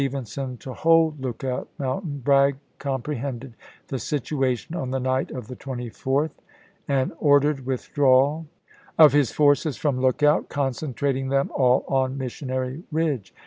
venson to hold Lookout Mountaiu, Bragg compre hended the situation on the night of the 24 th, and sov., im. ordered the withdrawal of his forces from Lookout, concentrating them all on Missionary Ridge.